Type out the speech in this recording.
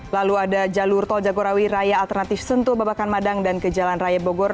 lalu ada jalur tol jagorawi raya alternatif sentul babakan madang dan ke jalan raya bogor